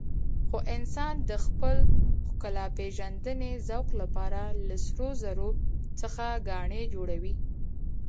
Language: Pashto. خو انسان د خپل ښکلاپېژندنې ذوق لپاره له سرو زرو څخه ګاڼې جوړوي.